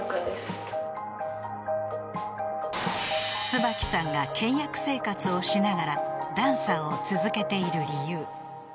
［つばきさんが倹約生活をしながらダンサーを続けている理由］